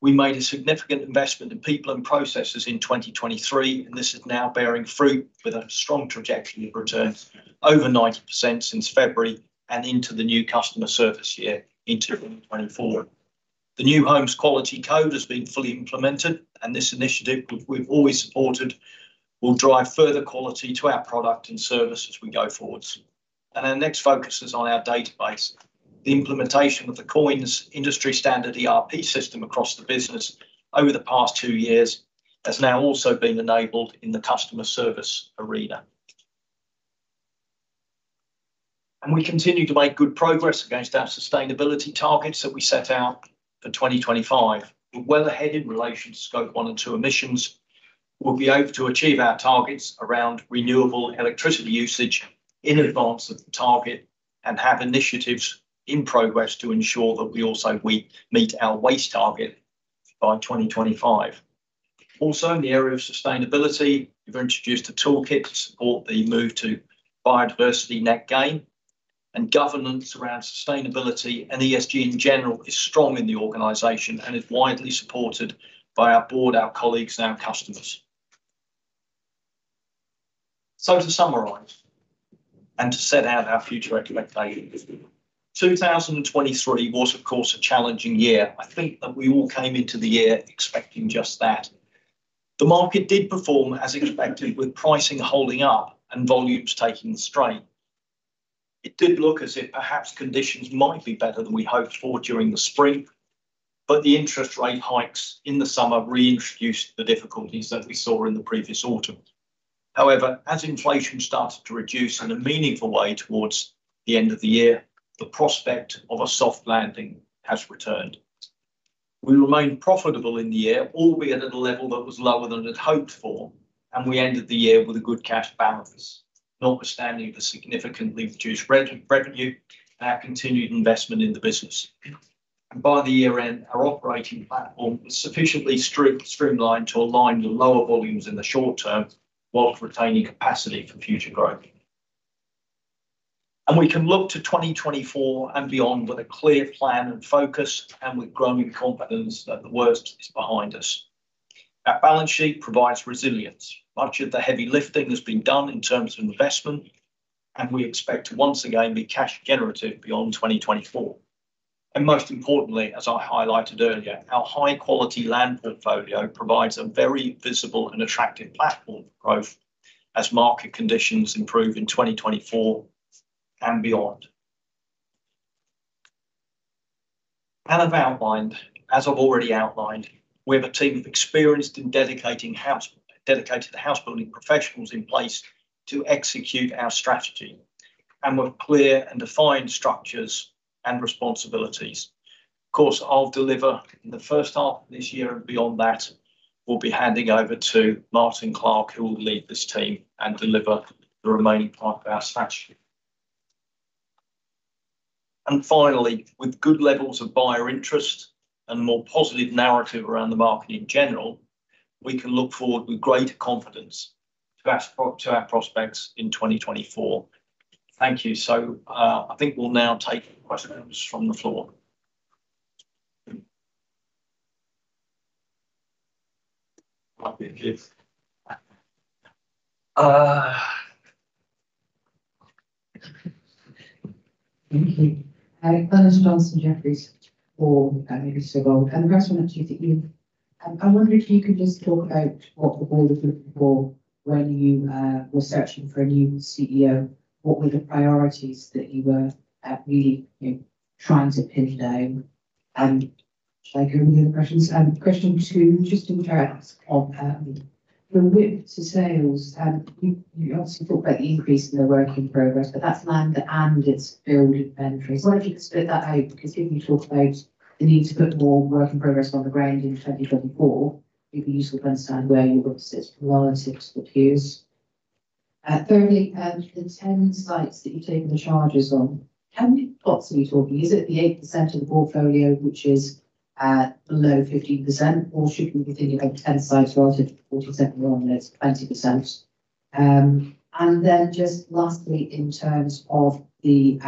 We made a significant investment in people and processes in 2023, and this is now bearing fruit with a strong trajectory of returns, over 90% since February and into the new customer service year, into 2024. The New Homes Quality Code has been fully implemented, and this initiative, we've, we've always supported, will drive further quality to our product and service as we go forwards. Our next focus is on our database. The implementation of the COINS industry standard ERP system across the business over the past 2 years has now also been enabled in the customer service arena. We continue to make good progress against our sustainability targets that we set out for 2025. We're well ahead in relation to Scope 1 and 2 emissions. We'll be able to achieve our targets around renewable electricity usage in advance of the target and have initiatives in progress to ensure that we also meet our waste target by 2025. Also, in the area of sustainability, we've introduced a toolkit to support the move to biodiversity net gain, and governance around sustainability and ESG in general is strong in the organization and is widely supported by our board, our colleagues, and our customers. So to summarise and to set out our future recommendations. 2023 was, of course, a challenging year. I think that we all came into the year expecting just that. The market did perform as expected, with pricing holding up and volumes taking the strain. It did look as if perhaps conditions might be better than we hoped for during the spring, but the interest rate hikes in the summer reintroduced the difficulties that we saw in the previous autumn. However, as inflation started to reduce in a meaningful way towards the end of the year, the prospect of a soft landing has returned. We remained profitable in the year, albeit at a level that was lower than had hoped for, and we ended the year with a good cash balance, notwithstanding the significantly reduced revenue and our continued investment in the business, and by the year end, our operating platform was sufficiently streamlined to align with lower volumes in the short term, whilst retaining capacity for future growth. We can look to 2024 and beyond with a clear plan and focus, and with growing confidence that the worst is behind us. Our balance sheet provides resilience. Much of the heavy lifting has been done in terms of investment, and we expect to once again be cash generative beyond 2024. And most importantly, as I highlighted earlier, our high-quality land portfolio provides a very visible and attractive platform for growth as market conditions improve in 2024 and beyond. As I've outlined, as I've already outlined, we have a team of experienced and dedicated housebuilding professionals in place to execute our strategy, and with clear and defined structures and responsibilities. Of course, I'll deliver in the first half of this year, and beyond that, we'll be handing over to Martyn Clark, who will lead this team and deliver the remaining part of our strategy. Finally, with good levels of buyer interest and a more positive narrative around the market in general, we can look forward with great confidence to our prospects in 2024. Thank you. So, I think we'll now take questions from the floor. Thank you, Keith. Thank you. Hi, Glynis Johnson, Jefferies. And the first one to you. I wonder if you could just talk about what the board was looking for when you were searching for a new CEO. What were the priorities that you were really, you know, trying to pin down? And should I go over the other questions? Question two, just in terms of the WIP to sales, you obviously talked about the increase in the work in progress, but that's land and it's build inventories. I wonder if you could split that out, because if you talk about the need to put more work in progress on the ground in 2024, it'd be useful to understand where you've got 6-12 and 6 good years. Thirdly, the 10 sites that you've taken the charges on, how many plots are we talking? Is it the 8% of the portfolio, which is below 15%, or should we be thinking about 10 sites rather than 40%, and then it's 20%? And then just lastly, in terms of the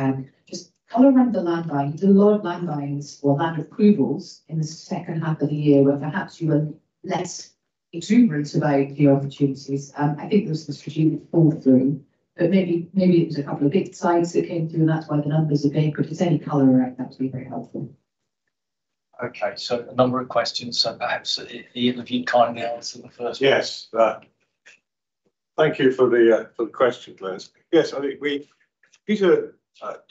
just color around the land buy. You did a lot of land buys or land approvals in the second half of the year, where perhaps you were less exuberant about the opportunities. I think there was the strategic fall through, but maybe, maybe it was a couple of big sites that came through, and that's why the numbers are big. But just any color around that would be very helpful. Okay, so a number of questions. Perhaps, Iain, if you'd kindly answer the first? Yes. Thank you for the question, Glynis. Yes, I think Peter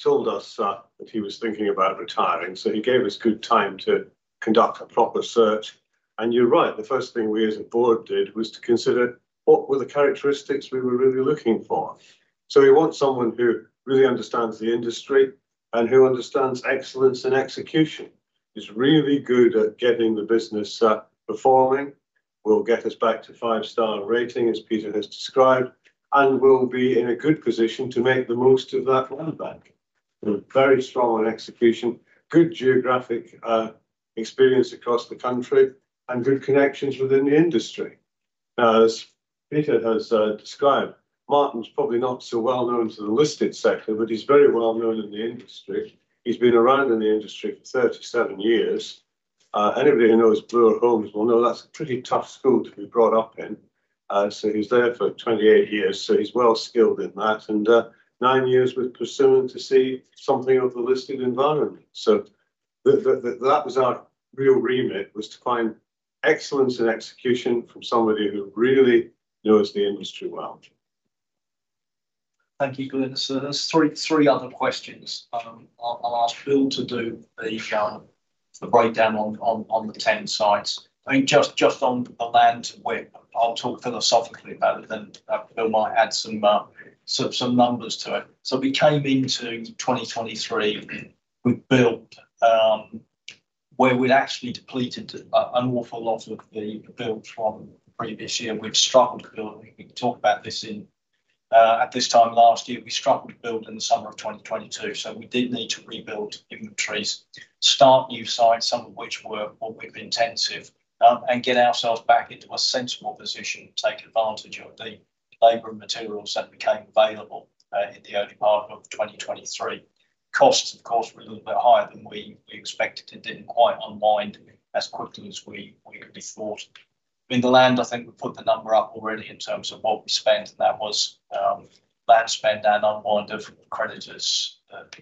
told us that he was thinking about retiring, so he gave us good time to conduct a proper search. And you're right, the first thing we as a board did was to consider what were the characteristics we were really looking for. So we want someone who really understands the industry and who understands excellence and execution. Who's really good at getting the business performing, will get us back to five-star rating, as Peter has described, and will be in a good position to make the most of that land bank. Very strong on execution, good geographic experience across the country, and good connections within the industry. Now, as Peter has described, Martyn's probably not so well known to the listed sector, but he's very well known in the industry. He's been around in the industry for 37 years. Anybody who knows Bloor Homes will know that's a pretty tough school to be brought up in. So he's there for 28 years, so he's well skilled in that, and nine years with Persimmon to see something of the listed environment. So that was our real remit, was to find excellence in execution from somebody who really knows the industry well. Thank you, Glynis. So there's three other questions. I'll ask Bill to do the breakdown on the 10 sites. I think just on the land WIP, I'll talk philosophically about it, then Bill might add some numbers to it. So we came into 2023 with build, where we'd actually depleted an awful lot of the build from the previous year. We'd struggled to build. We talked about this at this time last year. We struggled to build in the summer of 2022, so we did need to rebuild inventories, start new sites, some of which were more WIP intensive, and get ourselves back into a sensible position to take advantage of the labor and materials that became available in the early part of 2023. Costs, of course, were a little bit higher than we expected. It didn't quite unwind as quickly as we had thought. I mean, the land, I think we put the number up already in terms of what we spent, and that was land spend and unwind of creditors,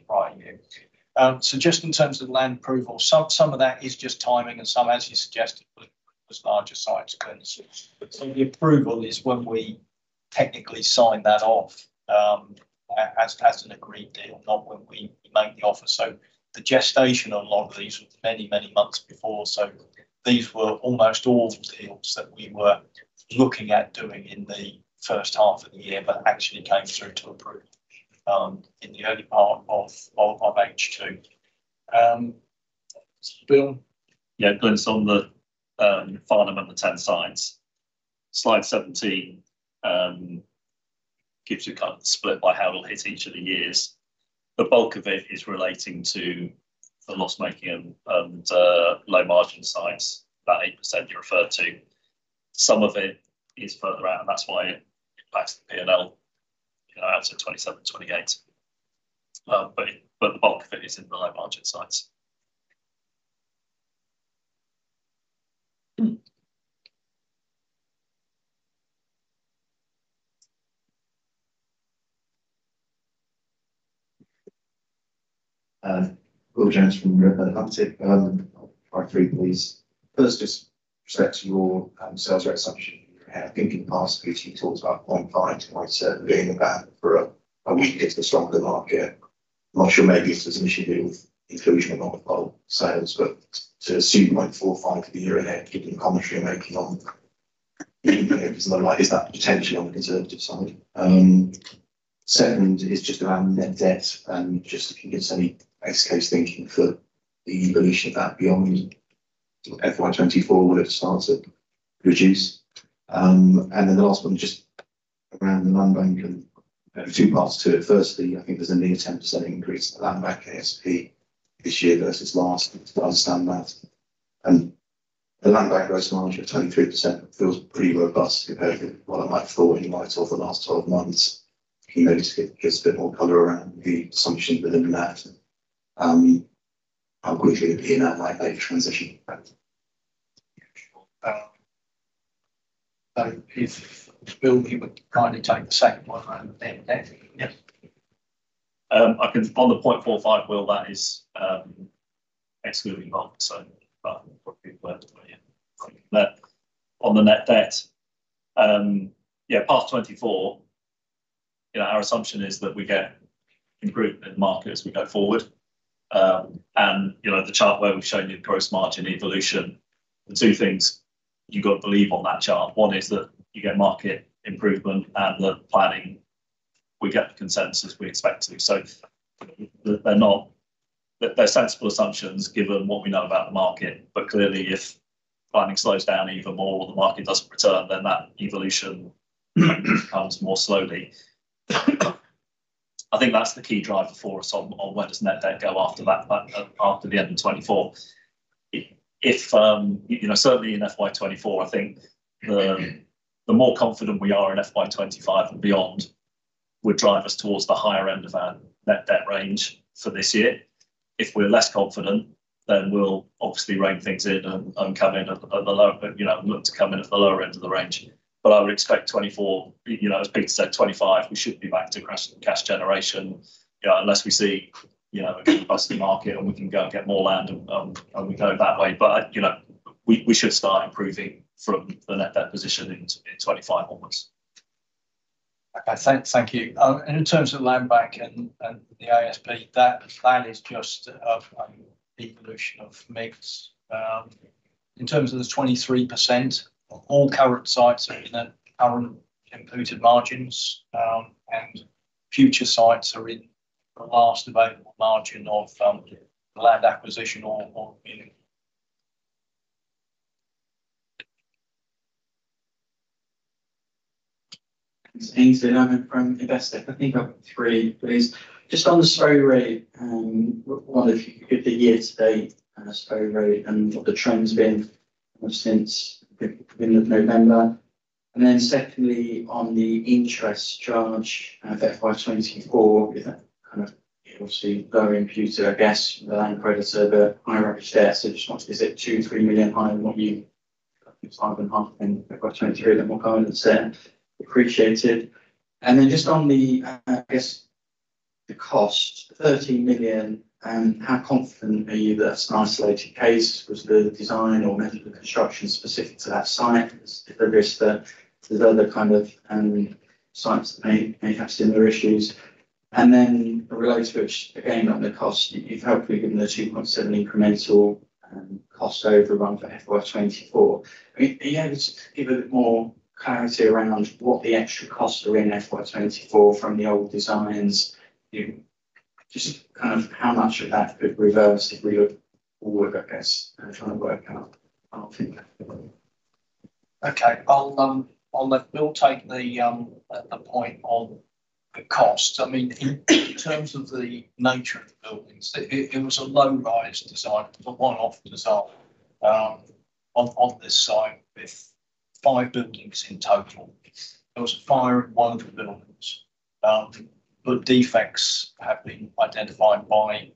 right in here. So just in terms of land approval, some of that is just timing and some, as you suggested, was larger sites, Glynis. So the approval is when we technically sign that off as an agreed deal, not when we make the offer. So the gestation on a lot of these was many, many months before. So these were almost all the deals that we were looking at doing in the first half of the year, but actually came through to approval in the early part of H2. Um, Bill? Yeah, Glynis, on the final number 10 sites. Slide 17 gives you kind of the split by how it'll hit each of the years. The bulk of it is relating to the loss-making and low margin sites, that 8% you referred to. Some of it is further out, and that's why it impacts the PNL, you know, out to 2027, 2028. But the bulk of it is in the low margin sites. Will Jones from Redburn Atlantic. I have three, please. First, just respect to your, sales rate assumption. I think in the past, you talked about uncertain for a, a weaker to stronger market. I'm not sure maybe if there's an issue with inclusion of affordable sales, but to assume, like, 4 or 5 for the year ahead, given the commentary you're making on, you know, is that potentially on the conservative side? Second is just around net debt and just if you can give us any best case thinking for the evolution of that beyond FY 2024, would it start to reduce? And then the last one, just around the land bank and there are two parts to it. Firstly, I think there's a near 10% increase in the land bank ASP this year versus last. Do you understand that? And the land bank growth margin of 23% feels pretty robust compared to what I might have thought in light of the last 12 months. Can you maybe give us a bit more color around the assumption within that, how quickly you pin that late transition? Yeah, sure. So if, Bill, you would kindly take the second one on net debt. Yeah. I can on the 0.45, Will, that is, excluding bulk, so, but probably left way in. But on the net debt, yeah, past 2024, you know, our assumption is that we get improvement in the market as we go forward. And you know, the chart where we've shown you the gross margin evolution, the two things you've got to believe on that chart, one is that you get market improvement and the planning, we get the consensus we expect it to. So they're sensible assumptions, given what we know about the market. But clearly, if planning slows down even more or the market doesn't return, then that evolution comes more slowly. I think that's the key driver for us on where does net debt go after that, after the end of 2024. If, you know, certainly in FY 2024, I think the more confident we are in FY 2025 and beyond would drive us towards the higher end of our net debt range for this year. If we're less confident, then we'll obviously rein things in and come in at the lower, you know, look to come in at the lower end of the range. But I would expect 2024, you know, as Pete said, 2025, we should be back to cash, cash generation. You know, unless we see, you know, a good robust market and we can go and get more land and we go that way. But, you know, we should start improving from the net debt position in 2025 onwards. Okay, thank you. And in terms of landbank and the ASP, that plan is just of the evolution of mix. In terms of the 23%, all current sites are in the current imputed margins, and future sites are in the last available margin of land acquisition or in- It's Aynsley from Investec. I think I've 3, please. Just on the SPO rate, I wonder if you could the year to date, SPO rate and what the trend's been since the end of November. And then secondly, on the interest charge of FY 2024, is that kind of obviously lower imputed, I guess, from the land creditor servicing, higher average share. Is it 2-3 million higher than what you... It's 5.5 million in FY 2023, a little more than we said. Appreciated. And then just on the, I guess, the cost, 13 million, and how confident are you that's an isolated case? Was the design or method of construction specific to that site? Is the risk that there's other kind of, sites that may have similar issues? Then related to it, again, on the cost, you've helped me, given the 2.7 incremental cost overrun for FY 2024. I mean, are you able to give a bit more clarity around what the extra costs are in FY 2024 from the old designs? You know, just kind of how much of that could reverse if we were all work, I guess, I'm trying to work out, I think. Okay. I'll let Bill take the point on the cost. I mean, in terms of the nature of the buildings, it was a low-rise design, for one off the start, on this site, with five buildings in total. There was a fire in one of the buildings, but defects have been identified by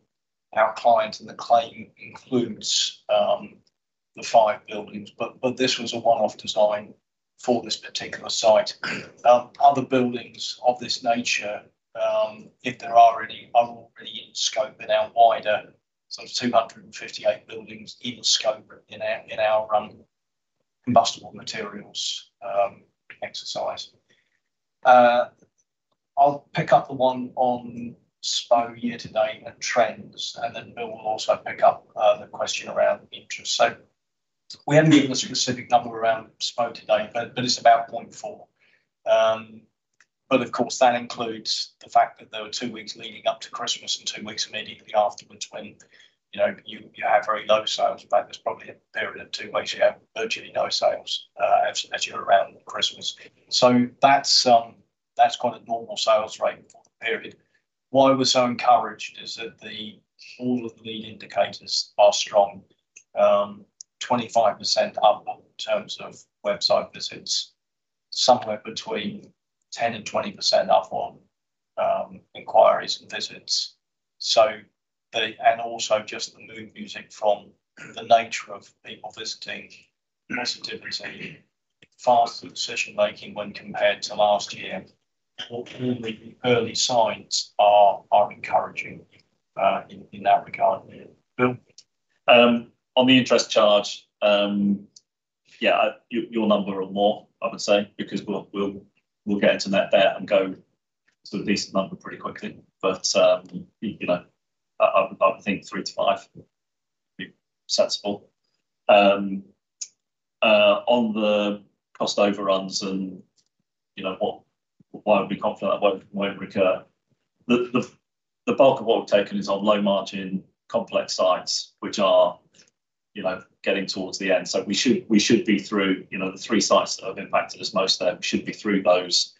our client, and the claim includes the five buildings. But this was a one-off design for this particular site. Other buildings of this nature, if there are any, are already in scope in our wider. So 258 buildings in scope in our combustible materials exercise. I'll pick up the one on SPO year to date and trends, and then Bill will also pick up the question around interest. So we haven't given a specific number around SPO to date, but it's about 0.4. But of course, that includes the fact that there were two weeks leading up to Christmas and two weeks immediately afterwards when, you know, you have very low sales. In fact, there's probably a period of two weeks you have virtually no sales, as you're around Christmas. So that's quite a normal sales rate for the period. Why we're so encouraged is that all of the lead indicators are strong. 25% up in terms of website visits, somewhere between 10%-20% up on inquiries and visits. So, and also just the mood music from the nature of people visiting, positivity, faster decision making when compared to last year. All the early signs are encouraging in that regard. Bill? On the interest charge, yeah, your number or more, I would say, because we'll get into net debt and go to a decent number pretty quickly. But, you know, I would think 3-5 would be successful. On the cost overruns and, you know, what why we'd be confident that won't recur. The bulk of what we've taken is on low margin, complex sites, which are, you know, getting towards the end. So we should be through, you know, the three sites that have impacted us most, they should be through those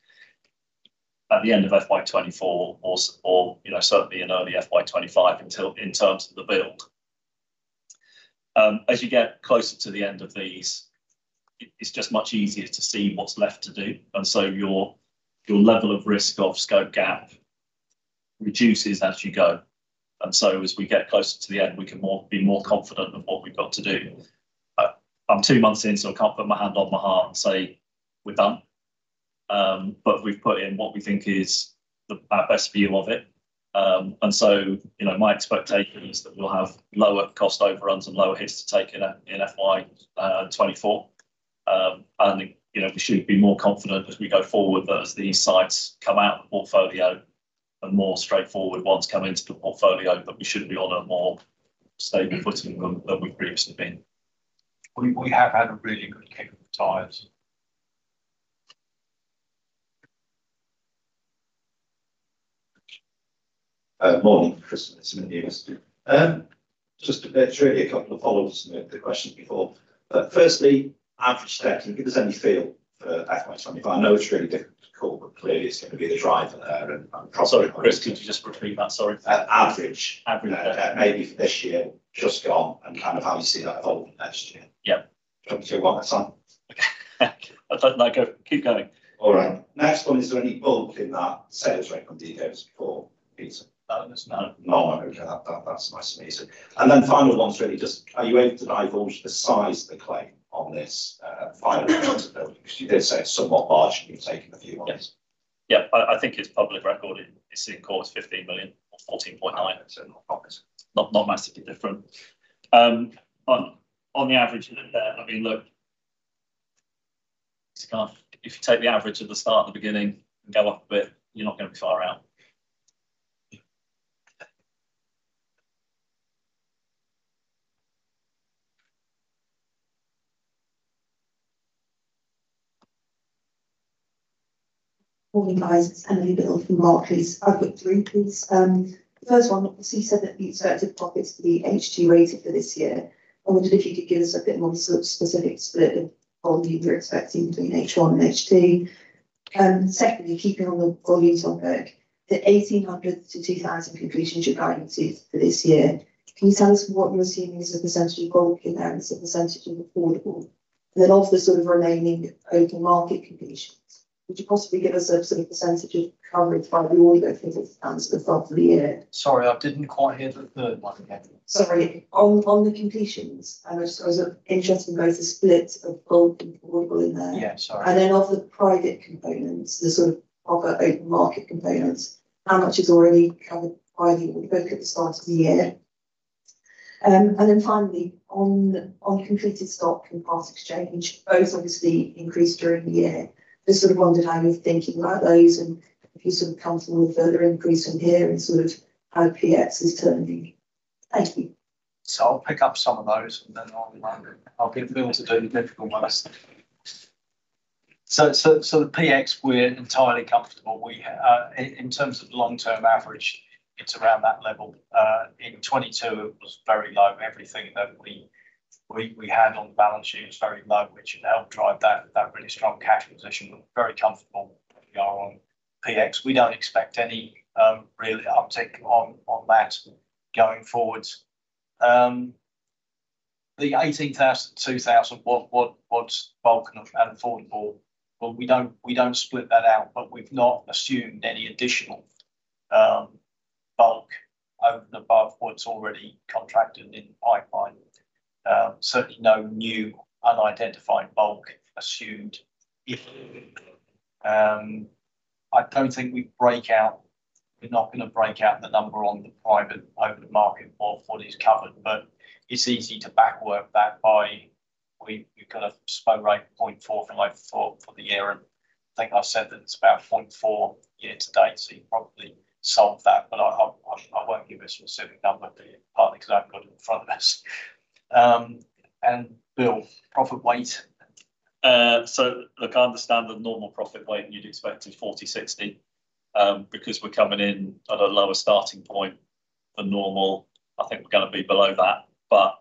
at the end of FY 2024 or, you know, certainly in early FY 2025 until in terms of the build. As you get closer to the end of these, it's just much easier to see what's left to do, and so your level of risk of scope gap reduces as you go. And so as we get closer to the end, we can be more confident of what we've got to do. I'm two months in, so I can't put my hand on my heart and say, "We're done." But we've put in what we think is our best view of it. And so, you know, my expectation is that we'll have lower cost overruns and lower hits to take in FY 2024. And you know, we should be more confident as we go forward, but as these sites come out the portfolio and more straightforward ones come into the portfolio, but we should be on a more stable footing than we've previously been. We have had a really good kick of the tires. Morning, Chris, it's from Numis. Just to maybe a couple of follow-ups to the questions before. But firstly, average debt, can you give us any feel for FY 25? I know it's really difficult to call, but clearly it's going to be the driver there, and- Sorry, Chris, could you just repeat that, sorry? Uh, average- Average. Maybe for this year, just gone, and kind of how you see that evolving next year. Yeah. Do you want me to go one more time? No, go, keep going. All right. Next one, is there any bulk in that sales rate from details before it's? No, there's no. No. Okay, that's nice and easy. Then the final one's really just, are you able to divulge the size of the claim on this final possibility? 'Cause you did say it's somewhat marginally taken a few months. Yes. Yeah, I think it's public record. It's in court, it's 15 million or 14.9 million. It's not massively different. On the average in there, I mean, look, it's kind of... If you take the average at the start of the beginning and go up a bit, you're not going to be far out. Yeah. Morning, guys. It's Emily Bills from Barclays. I've got three, please. The first one, obviously, you said that the expected profits for the H1 and H2 this year. I wondered if you could give us a bit more sort of specific split of volume you're expecting between H1 and H2. Secondly, keeping on the volumes on back, the 1,800-2,000 completions you guided for this year, can you tell us what you're seeing as a percentage of bulk in there, and a percentage of affordable? And then of the sort of remaining open market completions, would you possibly give us a sort of percentage of coverage by the order book at the start of the year? Sorry, I didn't quite hear the third one again. Sorry. On the completions, I was interested in both the splits of bulk and affordable in there. Yeah, sorry. And then of the private components, the sort of other open market components, how much is already covered by the work at the start of the year? And then finally, on, on completed stock and post-exchange, both obviously increased during the year. Just sort of wondered how you're thinking about those, and if you sort of comfortable with further increase from here, and sort of how PX is turning. Thank you. So I'll pick up some of those, and then I'll get Bill to do the difficult ones. So the PX, we're entirely comfortable. We, in terms of the long-term average, it's around that level. In 2022, it was very low. Everything that we had on the balance sheet was very low, which helped drive that really strong cash position. We're very comfortable where we are on PX. We don't expect any really uptick on that going forward. The 1,800-2,000, what's bulk and affordable? Well, we don't split that out, but we've not assumed any additional bulk over and above what's already contracted in the pipeline. Certainly no new unidentified bulk assumed. If... I don't think we break out; we're not going to break out the number on the private open market for what is covered, but it's easy to back work that by we; we've got a SPO rate of 0.4 for the year. And I think I said that it's about 0.4 year to date, so you probably solved that, but I won't give a specific number, partly because I haven't got it in front of us. And Bill, profit weight? So look, I understand the normal profit weight you'd expect is 40-60. Because we're coming in at a lower starting point than normal, I think we're going to be below that. But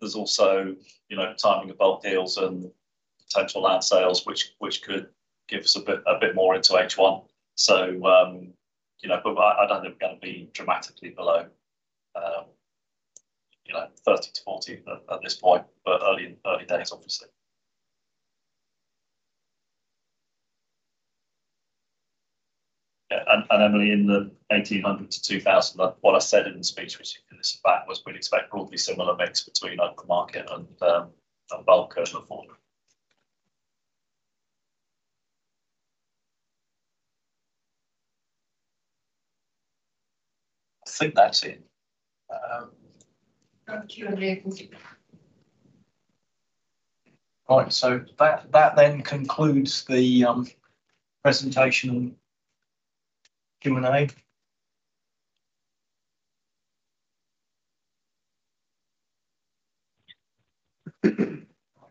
there's also, you know, timing of bulk deals and potential land sales, which could give us a bit more into H1. So, you know, but I don't think we're going to be dramatically below, you know, 30-40 at this point, but early days, obviously. Yeah, and Emily, in the 1,800-2,000, what I said in the speech, which in the pack, was we'd expect broadly similar mix between open market and bulk and affordable. I think that's it. Thank you, and thank you. Right. So that then concludes the presentation and Q&A.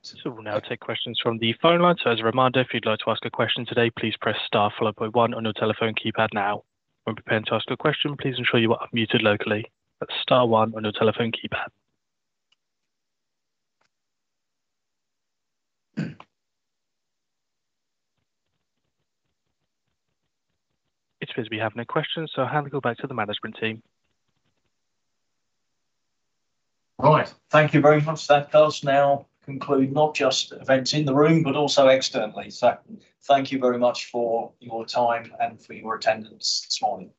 So we'll now take questions from the phone line. So as a reminder, if you'd like to ask a question today, please press star followed by one on your telephone keypad now. When preparing to ask a question, please ensure you are muted locally. But star one on your telephone keypad. It appears we have no questions, so I'll hand it back to the management team. Right. Thank you very much. That does now conclude not just events in the room, but also externally. So thank you very much for your time and for your attendance this morning.